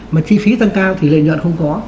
mà chi phí tăng cao thì lợi nhuận không có